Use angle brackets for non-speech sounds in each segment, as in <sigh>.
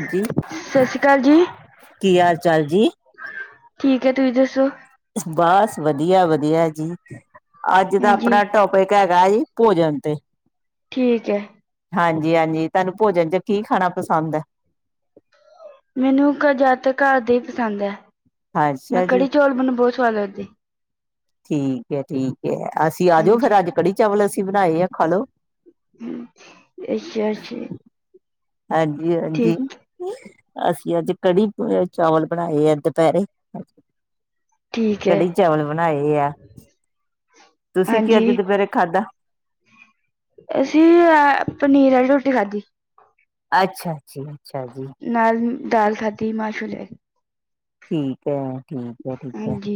ਹਾਂਜੀ ਸਤਿ ਸ਼੍ਰੀ ਅਕਾਲ ਜੀ ਕੀ ਹਾਲ ਚਾਲ ਜੀ, ਠੀਕ ਹੈ ਤੁਸੀਂ ਦੱਸੋ? ਬਸ ਵਧੀਆ ਵਧੀਆ ਜੀ ਅੱਜ ਦਾ ਹਾਂਜੀ ਆਪਣਾ ਟੋ ਕੋਈ ਕ ਗਏ ਭੋਜਨ ਤੇ ਠੀਕ ਹੈ। ਹਾਂਜੀ ਹਾਂਜੀ ਤੁਹਾਨੂੰ ਭੋਜਨ ਚ ਕੀ ਖਾਣਾ ਪਸੰਦ ਹੈ। ਮੈਨੂੰ ਘ ਜ਼ਿਆਦਾਤਰ ਘਰ ਦੇ ਹੀ ਪਸੰਦ ਹੈ ਮੈਂ ਅੱਛਾ ਜੀ ਕੜੀ ਚੌਲ ਬਣਨ ਬਹੁਤ ਸਵਾਦ ਲੱਗਦੀ। ਠੀਕ ਹੈ ਠੀਕ ਹੈ ਅਸੀਂ ਆ ਜਾਓ ਹਾਂਜੀ ਫੇਰ ਅੱਜ ਕੜੀ ਚਾਵਲ ਅਸੀਂ ਬਣਾਏ ਆ ਖਾਲੋ। ਹਮ ਇਹਛਾ ਅੱਛਾ, ਹਾਂਜੀ ਹਾਂਜੀ, ਠੀਕ ਅਸੀਂ ਅੱਜ ਕੜੀ ਚਾਵਲ ਬਣਾਏ ਆ ਦੁਪਹਿਰੇ ਠੀਕ ਹੈ ਕੜੀ ਚਾਲ ਬਣਾਏ ਆ ਤੁਸੀਂ ਕੀ ਹਾਂਜੀ ਅੱਜ ਦੁਪਹਿਰੇ ਖਾਧਾ ਅਸੀਂ ਅ ਪਨੀਰ ਵਾਲੀ ਰੋਟੀ ਖਾਧੀ ਅੱਛਾ ਜੀ ਅੱਛਾ ਜੀ, ਨਾਲ ਦਾਲ ਖਾਧੀ ਮਾਸ਼ੂਲੇੈ। ਠੀਕ ਹੈ ਠੀਕ ਹੈ ਠੀਕ ਹੈ ਹਾਂਜੀ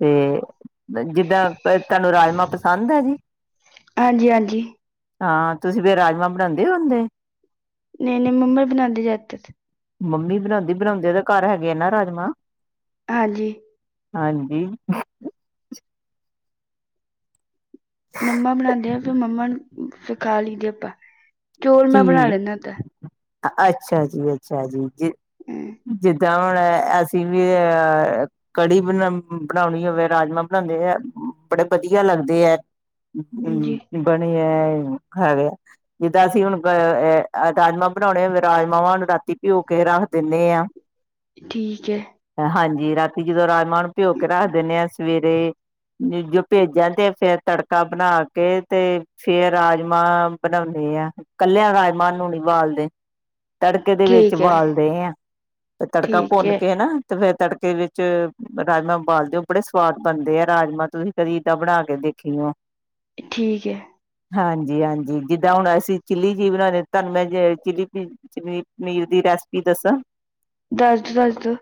ਤੇ। ਜਿੱਦਾਂ ਤੁਹਾਨੂੰ ਰਾਜਮਾਂ ਪਸੰਦ ਆ ਜੀ। ਹਾਂਜੀ ਹਾਂਜੀ ਹਾਂ ਤੁਸੀਂ ਫੇਿਰ ਰਾਜਮਾਂ ਬਣਾਉਂਦੇ ਹੋ ਹੁੰਦੇ। ਨਹੀਂ ਨਹੀਂ ਮੁੰਬਈ ਬਣਾਉਦੇ ਜਾਦੇ। ਮੰਮੀ ਬਣਾਉਂਦੀ ਬਣਾਉਂਦੇ ਉਹਦੇ ਘਰ ਹੈਗੇ ਆ ਨਾ ਰਾਜਮਾਂ। ਹਾਂਜੀ, ਹਾਂਜੀ, ਮੰਮਾ ਬਣਾਉਂਦੇ ਆ ਫਿਰ ਮੰਮਾ ਨੂੰ ਸ ਖਾ ਲੀਦੇ ਆਪਾਂ ਚੌਲ ਮੈਂ ਬਣਾ ਠੀਕ ਲੈਂਦਾ ਤਾਂ। ਅੱਛਾ ਜੀ ਅੱਛਾ ਜੀ ਜਮੁਣ <unintelligible> ਅਸੀਂ ਵੀ ਅ ਕੜੀ ਬਣਾ ਬਣਾਉਣੀ ਹੋਵੇ ਰਾਜਮਾਂ ਬਣਾਉਂਦੇ ਹੈ ਬੜੇ ਵਧੀਆ ਲੱਗਦੇ ਹੈ। ਹਾਂਜੀ ਹਮ ਬਣੇ ਹੈ ਹੈਗਾ ਜਿੱਦਾਂ ਅਸੀਂ ਹੁਣ ਅ ਰਾਜਮਾਂ ਬਣਾਉਣੇ ਹੋ ਰਾਜਮਾਵਾਂ ਨੂੰ ਰਾਤੀ ਭਿਓ ਕੇ ਰੱਖ ਦਿੰਦੇ ਆ। ਠੀਕ ਹੈ। ਹਾਂਜੀ ਰਾਤੀ ਜਦੋਂ ਰਾਜਮਾਂ ਨੂੰ ਭਿਓ ਕੇ ਰੱਖ ਦਿੰਦੇ ਹਾਂ ਸਵੇਰੇ ਜੋ ਭੇਜਾਂ ਤੇ ਫੇਰ ਤੜਕਾ ਬਣਾ ਕੇ ਤੇ ਫੇਰ ਰਾਜਮਾਂ ਬਣਾਉਂਦੇ ਆ ਕੱਲਿਆਂ ਰਾਜਮਾਂ ਨੂੰ ਨੀ ਬਾਲਦੇ। ਤੜਕੇ ਦੇ ਵਿੱਚ ਠੀਕ ਹੈ ਬਾਲਦੇ ਹ ਤੇ ਤੜਕਾ ਠੀਕ ਭੁੰਨ ਹੈ ਕੇ ਨਾ ਤੇ ਫੇਰ ਤੜਕੇ ਵਿੱਚ ਰਾਜਮਾਂ ਬਬਾਲਦੇ ਹੋ ਬੜੇ ਸਵਾਦ ਬਣਦੇ ਆ ਰਾਜਮਾਂ ਤੁਸੀਂ। ਕਰੀ ਤਾਂ ਬਣਾ ਕੇ ਦੇਖੀਓ ਠੀਕ ਹੈ। ਹਾਂਜੀ-ਹਾਂਜੀ ਜਿੱਦਾਂ ਹੁਣ ਅਸੀਂ। ਚਿੱਲੀ ਚੀ ਬਣਾਉਂਦੇ ਤੁਹਾਨੂੰ ਮੈਂ ਚਿੱਲੀ ਚ ਪਨੀਰ ਦੀ ਰੈਸਪੀ ਦੱਸਾਂ? ਦੱਸ ਦਓ ਦੱਸ ਦਓ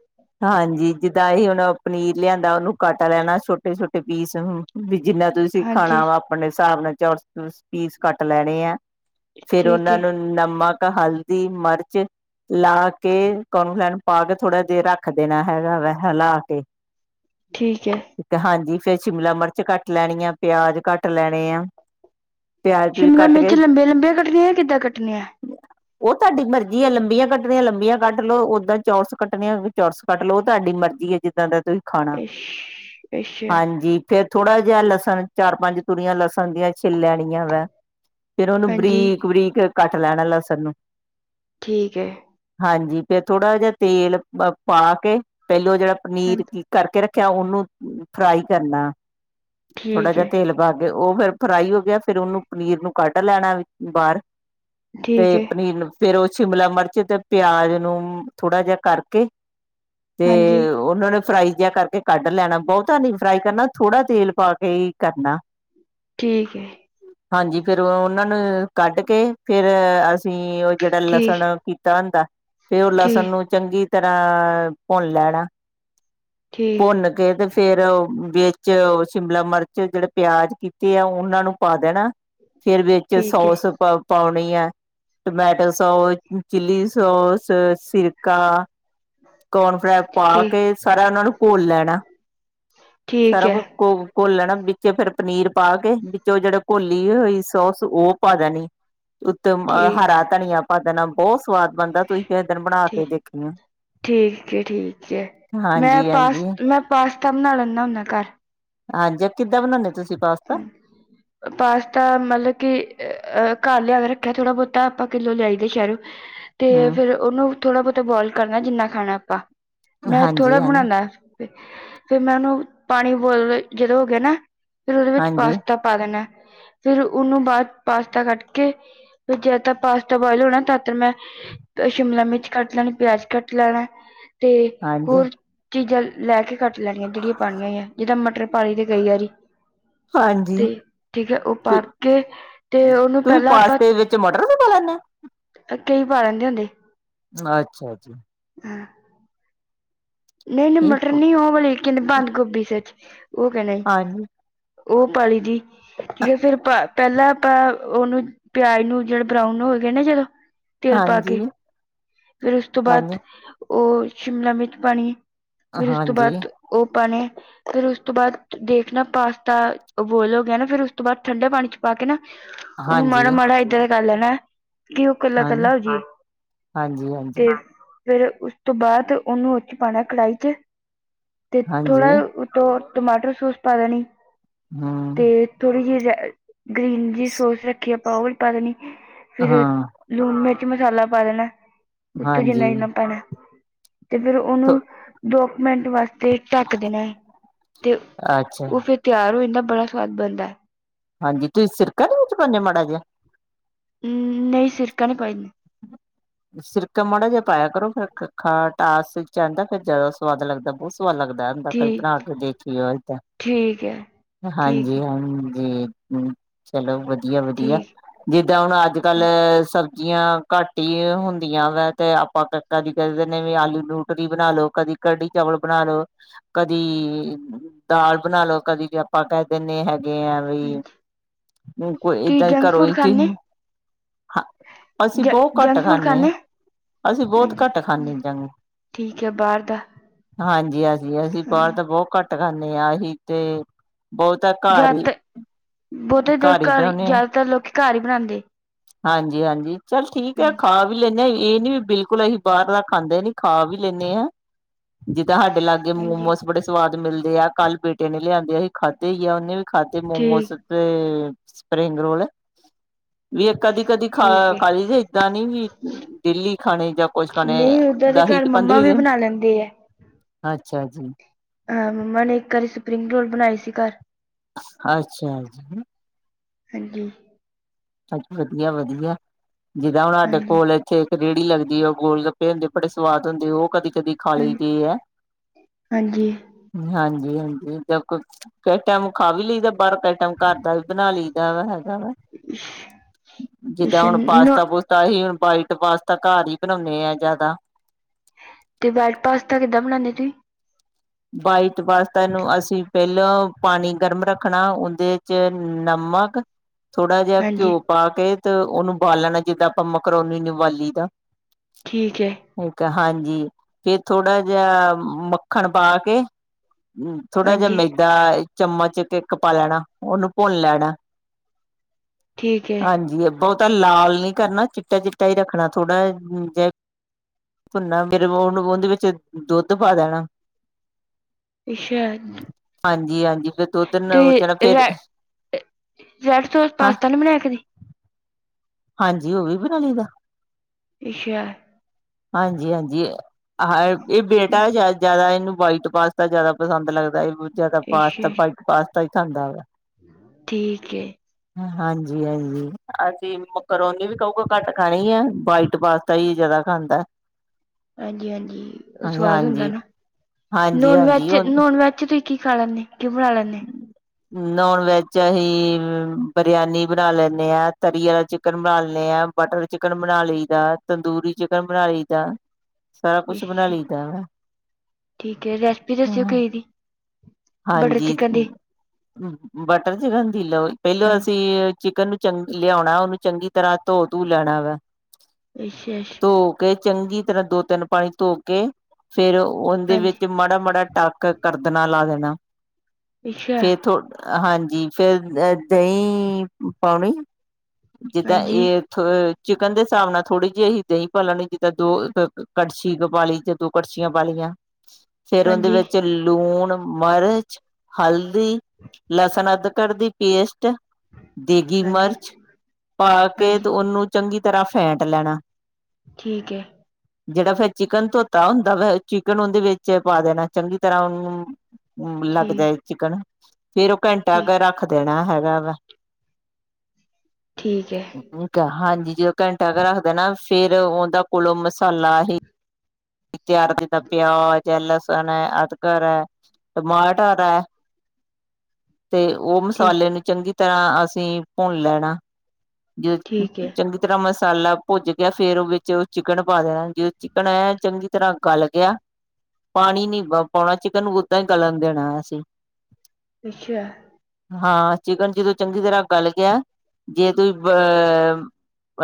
ਹਾਂਜੀ ਜਿੱਦਾਂ ਅ ਹੁਣ ਪਨੀਰ ਲਿਆਂਦਾ ਉਹਨੂੰ ਕੱਟ ਲੈਣਾ ਛੋਟੇ-ਛੋਟੇ ਪੀਸ ਵੀ ਜਿੰਨਾ। ਤੁਸੀਂ ਹਾਂਜੀ ਖਾਣਾ ਵਾ ਆਪਣੇ ਹਿਸਾਬ ਨਾਲ ਚ ਪੀਸ ਘੱਟ ਲੈਣੇ ਆ। ਫੇਰ ਠੀਕ ਉਹਨਾਂ ਹੈ ਨੂੰ ਨਮਕ ਹਲਦੀ ਮਿਰਚ ਲਾ ਕੇ ਕੌਣ ਲੈਣ ਪਾ ਕੇ ਥੋੜ੍ਹਾ ਜਿਹਾ ਰੱਖ ਦੇਣਾ ਹੈਗਾ ਵਾ ਹਿਲਾ ਕੇ ਠੀਕ ਹੈ। ਹਾਂਜੀ ਫੇਰ ਸ਼ਿਮਲਾ ਮਿਰਚ ਕੱਟ ਲੈਣੀ ਆ। ਪਿਆਜ ਕੱਟ ਲੈਣੇ ਆ। ਪਿਆਜ ਪਿਊਜ ਸ਼ਿਮਲਾ ਕੱਟ ਮਿਰਚ ਲੰਬੇ-ਲੰਬੇ ਕੱਟਣੀਆਂ ਕਿੱਦਾਂ ਕੱਟਣੀਆਂ? ਜ <inaudible> ਉਹ ਤੁਹਾਡੀ ਮਰਜ਼ੀ ਆ ਲੰਬੀਆਂ ਕੱਟਣੀਆਂ ਲੰਬੀਆਂ ਕੱਟ ਲੋ ਓਦਾਂ ਚੋਰਸ ਕੱਟਣੀਆਂ ਚੋਰਸ ਕੱਟ ਲਓ ਉਹ ਤੁਹਾਡੀ ਮਰਜ਼ੀ ਹੈ। ਜਿੱਦਾਂ ਦਾ ਤੁਸੀਂ ਖਾਣਾ ਅੱਛ- ਅੱਛਾ ਹਾਂਜੀ। ਫੇਰ ਥੋੜਾ ਜਿਹਾ ਲਸਣ ਚਾਰ ਪੰਜ ਤੂਰੀਆਂ ਲਸਣ ਦੀਆਂ ਛਿੱਲ ਲੈਣੀਆਂ ਵਾ। ਫੇਰ ਉਹੂੰ ਹਾਂਜੀ ਬਰੀਕ-ਬਰੀਕ ਕੱਟ ਲੈਣਾ ਲਸਣ ਨੂੰ। ਠੀਕ ਹੈ। ਹਾਂਜੀ ਫੇ ਥੋੜਾ ਜਹਾ ਤੇਲ ਪਾ ਕੇ ਪਹਿਲੋਂ ਜਿਹੜਾ ਹਾਂ- ਪਨੀਰ ਕਰਕੇ ਰੱਖਿਆ ਉਹਨੂੰ ਫਰਾਈ ਕਰਨਾ ਥੋੜਾ ਠੀਕ ਜਹਾ ਹੈ ਤੇਲ। ਵ ਗ ਉਹ ਫੇਰ ਫਰਾਈ ਹੋ ਗਿਆ ਫੇਰ ਉਹਨੂੰ ਪਨੀਰ ਨੂੰ ਕੱਢ ਲੈਣਾ ਬਾਹਰ ਤੇ ਠੀਕ ਹੈ ਪਨੀਰ ਫੇਰ ਉਹ ਸ਼ਿਮਲਾ ਮਿਰਚ ਤੇ ਪਿਆਜ ਨੂੰ ਥੋੜ੍ਹਾ ਜਿਹਾ ਕਰਕੇ ਤੇ ਹਾਂਜੀ ਉਹਨਾਂ ਨੇ ਫਰਾਈ ਜਿਹਾ ਕਰਕੇ ਕੱਢ ਲੈਣਾ ਬਹੁਤਾਾਨੀ ਫਰਾਈ ਕਰਨਾ, ਥੋੜ੍ਹਾ ਤੇਲ ਪਾ ਕੇ ਕਰਨਾ। ਠੀਕ ਹੈ। ਹਾਂਜੀ ਫੇਰ ਉਹਨਾਂ ਨੂੰ ਕੱਢ ਕੇ, ਫੇਰ ਅਸੀਂ ਜਿਹੜਾ ਠੀਕ ਲਸਣ ਕੀਤਾ ਹੁੰਦਾ, ਫਿਰ ਉਹ ਲਸਣ ਠੀਕ ਨੂੰ ਚੰਗੀ ਤਰ੍ਹਾਂ ਭੁੰਨ ਲੈਣਾ। ਠੀਕ ਭੁੰਨ ਕੇ ਤੇ। ਫੇਰ ਵਿੱਚ ਸ਼ਿਮਲਾ ਮਿਰਚ ਜਿਹੜੇ ਪਿਆਜ ਕੀਤੇ ਆ, ਉਹਨਾਂ ਨੂੰ ਪਾ ਦੇਣਾ। ਫੇਰ ਵਿੱਚ ਠੀਕ ਹੈ ਸੌਸ ਪਾਉਣੀ ਹੈ, ਟਮੈਟੋ-ਸੋਸ, ਚਿੱਲੀ-ਸੋਸ, ਸਿਰਕਾ ਕੋਨ ਫਰੈਸ ਪਾ ਠੀਕ ਕੇ ਸਾਰਾ ਉਹਨਾਂ ਨੂੰ ਭੁਨ ਲੈਣਾ ਠੀਕ ਸਾਰਾ ਹੈ ਕੁਛ ਘ ਘੋਲਣ ਵਿੱਚ ਫੇਰ ਪਨੀਰ ਪਾ ਕੇ ਵਿੱਚ ਉਹ ਜਿਹੜੇ ਘੋਲੀ ਹੋਈ, ਸੋਸ ਉਹ ਪਾ ਦੇਣੀ। ਉੱਤੇ ਠੀਕ ਅ ਠੀਕ ਹਰਾ ਧਨੀਆ ਪਾ ਦੇਣਾ ਬਹੁਤ ਸਵਾਦ ਬਣਦਾ, ਤੁਸੀਂ ਕਿਸੇ ਦਿਨ ਬਣਾ ਕੇ ਦੇਖੀਓ। ਠੀਕ ਹੈ ਠੀਕ ਹੈ, ਮੈਂ ਹਾਂਜੀ ਪਾਸ ਹਾਂਜੀ ਮੈਂ ਪਾਸਤਾ ਬਣਾ ਲੈਂਦਾ ਹੁੰਦਾ ਘਰ ਹਾਂਜੀ ਕਿੱਦਾਂ ਬਣਾਉਂਦੇ ਹੋ ਤੁਸੀਂ? ਪਾਸਤਾ <unintelligible> ਪਾਸਤਾ ਮਤਲਬ ਕਿ ਅ ਘਰ ਲਿਆ ਕੇ ਰੱਖਿਆ, ਥੋੜ੍ਹਾ ਬਹੁਤਾ ਆਪਾਂ ਕਿੱਲੋ ਲਿਆਈ ਦੇ, ਸ਼ਹਿਰ <unintelligible> ਤੇ ਫਿਰ ਉਹਨੂੰ ਥੋੜਾ ਬਹੁਤਾ ਬੋਆਇਲ ਕਰਨਾ, ਜਿੰਨਾ ਖਾਣਾ ਆਪਾਂ, ਮੈਂ ਹਾਂਜੀ ਥੋੜ੍ਹਾ ਹਾਂਜੀ ਬਣਾਨਾ ਫੇਰ ਮੈਂ ਉਹਨੂੰ ਪਾਣੀ ਵੋਇਲ ਜੇਹੜਾ ਹੋ ਗਿਆ ਨਾ। ਫਿਰ ਉਹਦੇ ਵਿੱਚ ਹਾਂਜੀ ਪਾਸਤਾ ਪਾ ਦੇਣਾ, ਫਿਰ ਉਹਨੂੰ ਬਾਅਦ ਪਾਸਤਾ ਕੱਟ ਕੇ ਫਿਰ ਜਦ ਤ ਪਾਸਤਾ ਬੋਆਇਲ ਹੋਣਾ, ਤਦ ਤਕ ਮੈਂ ਸ਼ਿਮਲਾ ਮਿਰਚ ਕੱਟ ਲੈਣੀ ਪਿਆਜ ਕੱਟ ਲੈਣਾ, ਤੇ ਹਾਂਜੀ ਹੋਰ ਚੀਜ਼ਾਂ ਲੈ ਕੇ ਕੱਟ ਲੈਣੀਆਂ, ਜਿਹੜੀਆਂ ਪਾਣੀਆਂ ਹੋਈਆਂ ਜਿੱਦਾਂ ਮਟਰ ਪਾ ਲਈ ਦੇ ਕਈ ਵਾਰੀ। ਹਾਂਜੀ ਤੇ ਠੀਕ ਹੈ, ਉਹ ਪਾ ਕੇ ਤੇ ਉਹਨੂੰ ਤੁਸੀਂ ਪਹਿਲਾਂ ਆਪਾਂ ਪਾਸਤੇ ਵਿੱਚ ਮਟਰ ਵੀ ਪਾ ਲੈਂਦੇ ਕਈ ਪਾ ਲੈਂਦੇ ਹੁੰਦੇ। ਅੱਛਾ ਜੀ, ਹਾਂ। ਨਹੀਂ, ਨਹੀਂ ਮਟਰ ਨੀ ਉਹ ਵਾਲੀ ਕਿੰਨ ਬੰਦ ਗੋਭੀ ਸੱਚ ਉਹ ਕਹਿਣਾ ਸੀ। ਹਾਂਜੀ ਉਹ ਪਾ ਲਈ ਦੀ, ਠੀਕ ਹੈ ਫਿਰ ਪਹਿਲਾਂ ਆਪਾਂ ਉਹਨੂੰ ਪਿਆਜ ਨੂੰ ਜਿਹੜਾ ਬਰਾਊਨ ਹੋ ਗਏ ਨਾ, ਜਦੋਂ ਤੇਲ ਪਾ ਕੇ ਹਾਂਜੀ ਫਿਰ ਉਸ ਤੋਂ ਬਾਅਦ ਹਾਂਜੀ ਹਾਂਜੀ ਉਹ ਸ਼ਿਮਲਾ ਵਿੱਚ ਪਾਣੀ ਐ, ਫਿਰ ਉਸ ਤੋਂ ਹਾਂਜੀ ਬਾਅਦ ਉਹ ਆਪਣੇ ਫਿਰ ਉਸ ਤੋਂ ਬਾਅਦ ਦੇਖਣਾ ਪਾਸਤਾ ਉਬਲ ਗਿਆ ਨਾ ਫਿਰ ਉਸ ਤੋਂ ਬਾਅਦ ਠੰਡੇ ਪਾਣੀ ਚ ਪਾ ਕੇ ਨਾ ਉਹਨੂੰ ਮਾੜਾ, ਹਾਂਜੀ ਮਾੜਾ ਏਦਾਂ ਦਾ ਕਰ ਲੈਣਾ ਕਿ ਉਹ ਕੱਲਾ, ਕੱਲਾ ਹੋਜੇ। ਹਾਂਜੀ, ਹਾਂਜੀ। ਤੇ ਫਿਰ ਉਸ ਤੋਂ ਬਾਅਦ ਉਹਨੂੰ ਉੱਚ ਪਾਉਣਾ ਕੜਾਹੀ ਚ। ਤੇ ਥੋੜ੍ਹਾ ਹਾਂਜੀ ਉਤੋਂ ਟਮਾਟਰ ਸੋਸ ਪਾ ਲੈਣੀ ਤੇ ਹਮ ਥੋੜ੍ਹੀ ਜਿਹੀ ਗ੍ਰੀਨ ਜੀ ਸੋਸ ਰੱਖੀਏ, ਆਪਾਂ ਉਹ ਵੀ ਪਾ ਲੈਣੀ, ਫਿਰ ਹਾਂ ਲੂਣ, ਮਿਰਚ, ਮਸਾਲਾ ਪਾ ਲੈਣਾ। ਉੱਤੋਂ ਹਾਂਜੀ ਜਿੰਨਾ, ਜਿੰਨਾ ਪੈਣਾ ਤੇ ਫਿਰ ਉਹਨੂੰ ਦੋ ਕੁ ਮਿੰਟ ਵਾਸਤੇ ਢੱਕ ਦੇਣਾ ਹੈ ਤੇ ਅੱਛਾ ਉਹ ਫੇਰ ਤਿਆਰ ਹੋ ਜਾਂਦਾ, ਬੜਾ ਸਵਾਦ ਬਣਦਾ। ਹਾਂਜੀ, ਤੁਸੀਂ ਸਿਰਕਾ ਨਹੀਂ ਵਿੱਚ ਪਾਉਂਦੇ ਹੋ ਮਾੜਾ ਜਿਹਾ। ਹੂੰ, ਨਹੀਂ ਸਿਰਕਾ ਨਹੀਂ ਪਾਈ ਦਾ। ਸਿਰਕਾ ਮਾੜਾ ਜਿਹਾ ਪਾਇਆ ਕਰੋ, ਫਿਰ ਖਟਾਸ ਚ ਆਉਂਦਾ ਫਿਰ ਜ਼ਿਆਦਾ ਸਵਾਦ ਲੱਗਦਾ ਬਹੁਤ। ਸੁਆਦ ਲੱਗਦਾ ਹੁੰਦਾ, ਕਦੇ ਬਣਾ ਠੀਕ ਕੇ ਦੇਖਿਓ ਇੱਦਾਂ। ਠੀਕ ਹੈ। ਠੀਕ ਹਾਂਜੀ, ਹੈ ਹਾਂਜੀ। ਹੂੰ, ਚਲੋ ਵਧੀਆ, ਵਧੀਆ ਠੀਕ ਜਿੱਦਾਂ ਹੁਣ ਅੱਜ ਕੱਲ ਸਬ ਜੀ ਆ ਘੱਟ ਹੀ। ਹੁੰਦੀਆਂ ਵਾ ਤੇ ਆਪਾ ਕਾਕਾ ਜੀ ਨੂੰ ਕਹਿ ਦਿੰਦੇ ਵੀ ਆਲੂ ਲੂਟਰੀ ਬਣਾ ਲੋ, ਕਦੀ ਕੜੀ ਚਾਵਲ ਬਣਾ ਲੋ। ਕਦੀ ਦਾਲ ਬਣਾ ਲੋ। ਕਦੀ ਜੇ ਆਪਾਂ ਕਹਿ ਦਿੰਦੇ ਹੈਗੇ ਆ ਵੀ ਕੋਈ ਤੁਸੀਂ ਏਦਾਂ ਹੀ ਜੰਕ ਘਰੋਂ ਫੂਡ ਹੀ ਚੀਜ ਖਾਂਦੇ ਹਾਂ, ਅਸੀਂ ਬਹੁਤ ਘੱਟ ਖਾਣੇ ਆ। ਖਾਣੀ। ਅਸੀਂ ਬਹੁਤ ਘੱਟ ਖਾਣੇ ਏਦਾ ਦੀਆ ਠੀਕ ਹੈ ਬਾਹਰ ਦਾ ਹਾਂਜੀ, ਹਾਂਜੀ। ਅਸੀਂ, ਅਸੀਂ ਬਾਹਰ ਹੂੰ, ਤਾਂ ਬਹੁਤ ਘੱਟ ਖਾਂਦੇ ਹਾਂ ਅਸੀਂ ਤੇ ਬਹੁਤ ਜ਼ਿਆਦਾਤਰ ਬਹੁਤੇ ਦੇਰ ਹੀ ਘਰ ਬਣਾਉਦੇ ਹਾਂ ਜ਼ਿਆਦਾਤਰ ਲੋਕ ਘਰ ਹੀ ਬਣਾਉਂਦੇ। ਹਾਂਜੀ, ਹਾਂਜੀ ਚੱਲ ਠੀਕ ਹੈ। ਹਾਂਜੀ ਖਾ ਇਹ ਨੀ ਵੀ ਬਿਲਕੁਲ ਅਸੀਂ ਬਾਹਰ ਦਾ ਖਾਂਦੇ ਨੀ ਖਾ ਵੀ ਲੈਣੇ ਹਾਂ। ਜਿੱਦਾਂ ਹਾਂਡੇ ਲਾਗੇ- ਹਾਂਜੀ ਮੋਮੋਸ ਬੜੇ ਸਵਾਦ ਮਿਲਦੇ ਆ। ਕੱਲ ਬੇਟੇ ਨੇ ਲਿਆਦੇ ਅਸੀਂ ਖਾਧੇ ਹੀ ਆ। ਉਹਨੇ ਵੀ ਖਾਧੇ ਮੋਮੋਸ। ਠੀਕ ਤੇ ਸਪਰਿੰਗ ਰੋਲ ਇਹ ਵੀ ਇਹ ਕਦੀ ਕਦੀ ਠੀਕ ਹੈ ਖਾ ਲਈ ਦੇ। ਏਦਾ ਨੀ ਵੀ ਡੇਲੀ ਖਾਣੇ ਜਾਂ ਕੁਛ ਖਾਣੇ ਨਹੀਂ ਓਦਾਂ ਦੇ ਦਹੀ, ਘਰ ਮੰਮਾ ਪੰਦਰੀ ਵੀ ਦਿਨ। ਬਣਾ ਲੈਂਦੇ ਹੈ ਅੱਛਾ ਜੀ। ਹਾਂ, ਮੰਮਾ ਨੇ ਇੱਕ ਵਾਰੀ ਸਪਰਿੰਗ ਰੋਲ ਬਣਾਏ ਸੀ ਘਰ। ਅੱਛਾ ਜੀ। ਹਾਂਜੀ। ਅੱਛਾ ਵਧੀਆ, ਵਧੀਆ। ਜਿੱਦਾਂ ਹੁਣ ਸਾਡੇ ਹਾਂਜੀ ਕੋਲ ਇੱਥੇ ਰੇਹੜੀ ਲਗਦੀ ਉਹ ਗੋਲ-ਗੱਪੇ ਹੁੰਦੇ ਬੜੇ ਸਵਾਦ ਹੁੰਦੇ ਉਹ ਕਦੀ, ਕਦੀ ਖਾ ਲਈ ਹਾਂਜੀ ਦੇ ਹੈ। ਹਾਂਜੀ ਹਾਂਜੀ, ਹਾਂਜੀ ਜੀ ਬਿਲਕੁੱਲ। ਕਈ ਟਾਈਮ ਖਾ ਵੀ ਲਈਦਾ ਬਾਹਰ ਦਾ। ਕਈ ਟਾਈਮ ਘਰ ਦਾ ਵੀ ਬਣਾ ਲਈਦਾ ਵਾ ਹੈਗਾ ਵਾ। <inaudible> ਜਿੱਦਾਂ ਇਸ਼ਨ ਹੁਣ ਨੋ ਪਾਸਤਾ ਪੂਸਤਾ ਅਸੀਂ ਹੁਣ ਵਾਈਟ ਪਾਸਤਾ ਘਰ ਹੀ ਬਣਾਉਦੇ ਹਾਂ ਜਿਆਦਾ। ਤੇ ਵਾਈਟ ਪਾਸਤਾ ਕਿੱਦਾਂ ਬਣਾਉਦੇ ਤੁਸੀਂ। ਬਾਈਟ ਪਾਸਤੇ ਨੂੰ ਅਸੀਂ ਪਹਿਲਾਂ ਪਾਣੀ ਗਰਮ ਰੱਖਣਾ ਉਹਦੇ ਚ ਨਮਕ ਥੋੜ੍ਹਾ ਜਿਹਾ ਹਾਂਜੀ ਘਿਓ ਪਾ ਕੇ ਤੇ ਉਹਨੂੰ ਵਾਲ ਲੈਣਾ ਜਿੱਦਾਂ ਆਪਾਂ ਮਕਰੋਉਨੀ ਨੂੰ ਵਾਲੀ ਦਾ। ਠੀਕ ਹੈ ਠੀਕ ਹੈ ਹਾਂਜੀ ਫੇਰ ਥੋੜਾ ਜਿਹਾ ਮੱਖਣ ਪਾ ਕੇ ਥੋੜਾ ਜਿਹਾ ਹਾਂਜੀ ਮੈਦਾ ਚਮਚ ਇੱਕ ਇੱਕ ਪਾ ਲੈਣਾ ਉਹਨੂੰ ਭੁੰਨ ਲੈਣਾ ਠੀਕ ਹੈ ਹਾਂਜੀ ਬਹੁਤਾ ਲਾਲ ਨੀ ਕਰਨਾ ਚਿੱਟਾ ਚਿੱਟਾ ਹੀ ਰੱਖਣਾ ਥੋੜਾ ਜਿਹਾ ਭੁੰਨਾ ਫਿਰ ਬੁੰਦ ਬੁੰਦ ਵਿੱਚ ਦੁੱਧ ਪਾ ਦੇਣਾ। ਅੱਛਾ ਹਾਂਜੀ ਹਾਂਜੀ ਫਿਰ ਦੁੱਧ ਤੇ ਨੂੰ ਜਰਾ ਫੇਰ ਰੈ ਰੈਡ ਸੋਸ ਪਾਸਤਾ ਨੀ ਬਣਾਇਆ ਕਦੀ। ਹਾਂਜੀ ਉਹ ਵੀ ਬਣਾ ਲਈ ਦਾ। ਅਛਾ। ਹਾਂਜੀ ਹਾਂਜੀ ਇਹ ਬੇਟਾ ਜਿਆਦਾ ਇਹਨੂੰ ਵਾਈਟ ਪਾਸਤਾ ਜਿਆਦਾ ਪਸੰਦ ਲੱਗਦਾ ਇਹ ਜਿਆਦਾ ਪਾਸਤਾ ਅੱਛਾ ਵਾਇਟ ਪਾਸਤਾ ਹੀ ਖਾਂਦਾ ਹੈ। ਠੀਕ ਏ। ਹਾਂਜੀ ਹਾਂਜੀ ਅਸੀਂ ਮੈਕਰੋਨੀ ਵੀ ਕਹੂਗਾ ਘੱਟ ਖਾਣੀ ਹੈ ਵਾਈਟ ਵਾਸਤਾ ਹੀ ਜ਼ਿਆਦਾ ਖਾਂਦਾ। ਹਾਂਜੀ ਹਾਂਜੀ ਉਹ ਹਾਂਜੀ ਸਵਾਦ ਹਾਂਜੀ ਹੁੰਦਾ ਨਾ ਨੋਨ ਹਾਂਜੀ-ਹਾਂਜੀ ਵੈਜ ਉਹ ਨੋਨ ਵੈਜ ਤੁਸੀ ਕੀ ਖਾ ਲੈਣੇ, ਕਿ ਬਣਾ ਲੈਣੇ। ਨੋਨ ਵੈਜ ਅਹੀ ਬਰਿਆਨੀ ਬਣਾ ਲੈਣੇ ਹਾਂ ਤਰੀ ਵਾਲਾ ਚਿਕਨ ਬਣਾ ਲੈਣੇ ਹਾਂ। ਬਟਰ ਚਿਕਨ ਬਣਾ ਲਈ ਦਾ ਤੰਦੂਰੀ ਚਿਕਨ ਬਣਾ ਲਈ ਦਾ। ਸਾਰਾ ਕੁਛ ਬਣਾ ਅੱਛਾ ਲਈਦਾ ਹਾ। ਠੀਕ ਹੈ ਰੈਸਪੀ ਦੱਸਿਓ ਕਿਸ ਦੀ ਬਟਰ ਹਾਂਜੀ ਚਿਕਨ ਦੀ ਬਟਰ ਚਿਕਨ ਦੀ ਲਓ ਪਹਿਲੋਂ ਹਾਂਜੀ ਅਸੀਂ ਚਿਕਨ ਲਿਆਉਣਾ ਉਹਨੂੰ ਚੰਗੀ ਤਰ੍ਹਾਂ ਧੋ ਧੂ ਲੈਣਾ ਵਾ। ਵਿਸ਼ੇਸ਼ ਧੋ ਕੇ ਚੰਗੀ ਤਰ੍ਹਾਂ ਦੋ- ਤਿੰਨ ਪਾਣੀ ਧੋ ਕੇ, ਫੇਰ ਉਹਦੇ ਹਾਂਜੀ ਵਿੱਚ ਮਾੜਾ- ਮਾੜਾ ਟੱਕ ਕਰਦ ਨਾਲ ਲਾ ਦੇਣਾ ਅੱਛਾ ਫਿਰ ਥੋ ਹਾਂਜੀ ਫਿਰ ਅਹ ਦਹੀਂ ਪਾਉਣੀ ਜਿੱਦਾਂ ਹਾਂਜੀ ਇਹ ਚਿਕਨ ਦੇ ਹਿਸਾਬ ਨਾਲ ਥੋੜੀ ਜਿਹੀ ਅਸੀਂ ਦਹੀਂ ਪਾ ਲੈਣੀ ਜਿੱਦਾਂ ਦੋ ਕੜਛੀ ਪਾਲੀ ਚ ਦੋ ਕੜਛੀਆਂ ਪਾਲੀਆਂ ਫੇਰ ਉਹਦੇ ਹਾਂਜੀ ਵਿੱਚ ਲੂਣ ਮਿਰਚ, ਹਲਦੀ, ਲਸਣ ਅਦਕਰ ਦੀ ਪੇਸਟ ਦੇਗੀ ਹਾਂਜੀ ਮਿਰਚ, ਪਾ ਕੇ ਤੇ ਹਾਂਜੀ ਉਹਨੂੰ ਚੰਗੀ ਤਰ੍ਹਾਂ ਫੈਂਟ ਲੈਣਾ ਠੀਕ ਹੈ ਜਿਹੜਾ ਫਿਰ ਚਿਕਨ ਧੋਤਾ ਹੁੰਦਾ ਵ ਚਿਕਨ ਉਹਦੇ ਵਿੱਚ ਪਾ ਦੇਣਾ ਚੰਗੀ ਤਰ੍ਹਾਂ ਉਹਨੂੰ ਲੱਗਦਾ ਏ ਠੀਕ ਚਿਕਨ ਫੇਰ ਉਹ ਘੰਟਾ ਠੀਕ ਰੱਖ ਦੇਣਾ ਹੈਗਾ ਵਾ ਠੀਕ ਹੈ ਕ ਹਾਂਜੀ ਜਦੋਂ ਘੰਟਾ ਕ ਰੱਖਦਾ ਨਾ ਫੇਰ ਉਹਦਾ ਕੋਲੋਂ ਮਸਾਲਾ ਹੀ ਤਿਆਰ ਕੀਤਾ ਪਿਆਜ, ਲਸਣ, ਅਦਰਕ ਟਮਾਟਰ ਤੇ ਉਹ ਠੀਕ ਮਸਾਲੇ ਨੂੰ ਚੰਗੀ ਤਰ੍ਹਾਂ ਅਸੀਂ ਭੁੰਨ ਲੈਣਾ ਜ ਠੀਕ ਹੈ ਚੰਗੀ ਤਰ੍ਹਾਂ ਮਸਾਲਾ ਭੁੱਜ ਗਿਆ ਫੇਰ ਵਿੱਚ ਚਿਕਨ ਪਾ ਦੇਣਾ ਜੇ ਚਿਕਨ ਆ ਚੰਗੀ ਤਰ੍ਹਾਂ ਗਲ ਗਿਆ ਪਾਣੀ ਨੀ ਪਾਉਣਾ ਚਿਕਨ ਨੂੰ ਉਦਾਂ ਹੀ ਗਲਣ ਦੇਣਾ ਅਸੀਂ ਅੱਛਾ ਹਾਂ ਚਿਕਨ ਜਦੋ ਚੰਗੀ ਤਰ੍ਹਾਂ ਗੱਲ ਗਿਆ ਜੇ ਤੁਸੀਂ ਅਹ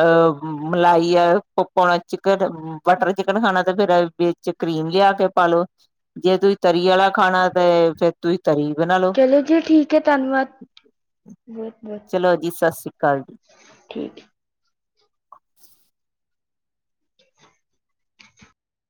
ਅਹ ਮਲਾਈ ਆ ਪਾਉਣਾ ਚਿਕਨ ਬਟਰ ਚਿਕਨ ਖਾਣਾ ਤੇ ਫਿਰ ਵਿੱਚ ਕਰੀਮ ਲਿਆ ਕੇ ਪਾ ਲੋ ਜੇ ਤੁਸੀਂ ਤਰੀ ਵਾਲਾ ਖਾਣਾ ਤੇ ਫਿਰ ਤੁਸੀ ਤਰੀ ਬਣਾ ਲੋ, ਚਲੋ ਜੀ ਠੀਕ ਹੈ ਧੰਨਵਾਦ ਬਹੁਤ ਬਹੁਤ ਚਲੋ ਜੀ ਸਤਿ ਸ੍ਰੀ ਅਕਾਲ ਕਾਲਜੀ, ਠੀਕ